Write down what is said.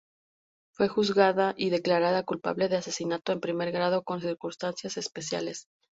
Fue juzgada y declarada culpable de asesinato en primer grado con circunstancias especiales.